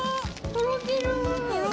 ・とろける！